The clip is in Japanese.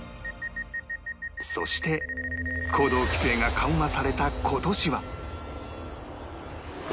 そして行動規制が緩和された今年は